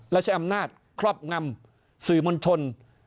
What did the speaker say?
และใช้อำนาจครอบงำสื่อมวลชน